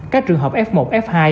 các trường hợp f một f hai